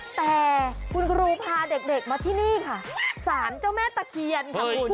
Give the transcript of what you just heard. แต่คุณครูพาเด็กมาที่นี่ค่ะสารเจ้าแม่ตะเคียนค่ะคุณ